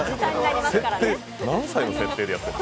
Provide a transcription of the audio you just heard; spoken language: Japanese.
何歳の設定でやってる？